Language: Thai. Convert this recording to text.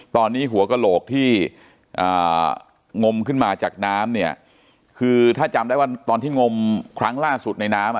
ตอนนี้หัวกระโหลกที่งมขึ้นมาจากน้ำเนี่ยคือถ้าจำได้ว่าตอนที่งมครั้งล่าสุดในน้ำอ่ะ